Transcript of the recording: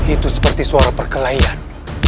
itu seperti suara perkelahian